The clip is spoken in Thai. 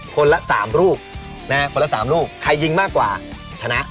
คนละสามรูปนะฮะคนละสามรูปใครยิงมากกว่าชนะ